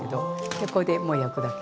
でこれでもう焼くだけ。